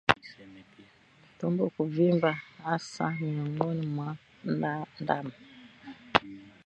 Tumbo kuvimba hasa miongoni mwa ndama